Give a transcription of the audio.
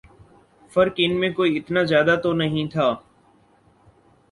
فرق ان میں کوئی اتنا زیادہ تو نہیں تھا